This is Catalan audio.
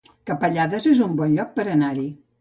Capellades es un bon lloc per anar-hi